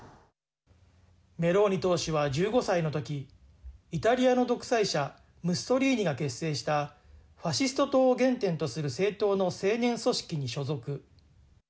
メローニ党首は、１５歳の時イタリアの独裁者ムッソリーニが結成したファシスト党を原点とする政党の青年組織に所属。